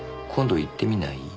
今度行ってみない？」